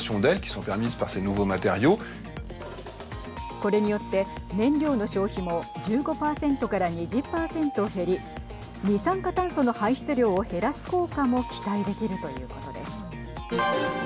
これによって燃料の消費も１５％から２０％減り二酸化炭素の排出量を減らす効果も期待できるということです。